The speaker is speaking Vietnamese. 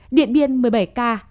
điện biên một mươi bảy ca